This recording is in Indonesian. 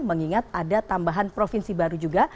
mengingat ada tambahan provinsi baru juga